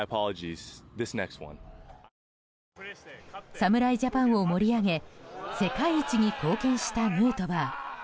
侍ジャパンを盛り上げ世界一に貢献したヌートバー。